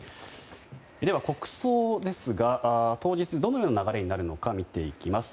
では、国葬ですが当日、どのような流れになるのか見ていきます。